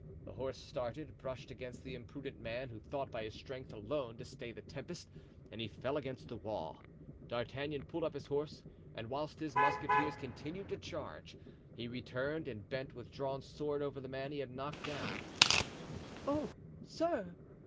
The horse started, brushed against the imprudent man, who thought by his strength alone to stay the tempest, and he fell against the wall. D'Artagnan pulled up his horse, and whilst his musketeers continued to charge, he returned and bent with drawn sword over the man he had knocked down. "Oh, sir!"